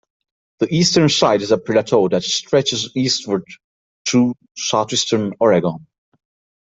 The eastern side is a plateau that stretches eastward through southeastern Oregon.